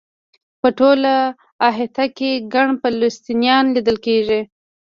په ټوله احاطه کې ګڼ فلسطینیان لیدل کېږي.